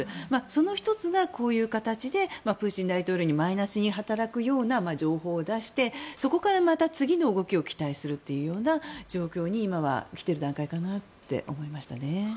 その１つがこういう形でプーチン大統領にマイナスに働くような情報を出してそこからまた次の動きを期待するというような状況に今は来ている段階かなと思いましたね。